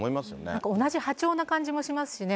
なんか、同じ波長な感じもしますしね。